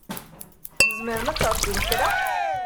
Tzemrem ad terǧum kra?